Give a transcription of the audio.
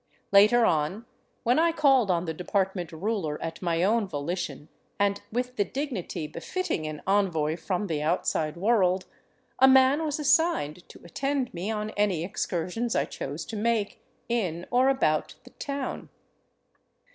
Later on, when I called on the department ruler at my own volition and with the dignity befitting an envoy from the outside world, a man was assigned to attend me on any excursions I chose to make in or about the town.